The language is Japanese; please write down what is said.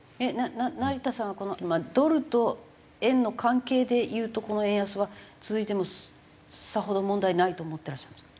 成田さんはこのドルと円の関係でいうとこの円安は続いてもさほど問題ないと思ってらっしゃるんですか？